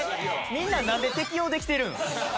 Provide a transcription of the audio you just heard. みんななんで適応できてるん？